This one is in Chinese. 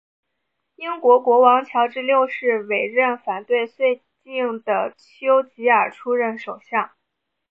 英国国王乔治六世委任反对绥靖的邱吉尔出任首相。